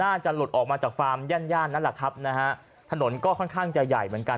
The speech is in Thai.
น่าจะหลุดออกมาจากฟาร์มย่านย่านนั่นแหละครับนะฮะถนนก็ค่อนข้างจะใหญ่เหมือนกัน